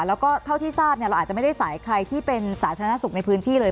แล้วก็เท่าที่ทราบเราอาจจะไม่ได้สายใครที่เป็นสาธารณสุขในพื้นที่เลย